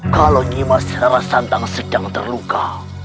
kalau nyima serasantang sedang terluka